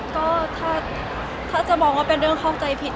ก็ถ้าจะมองว่าเป็นเรื่องเข้าใจผิด